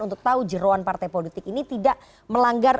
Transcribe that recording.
untuk tahu jeruan partai politik ini tidak melanggar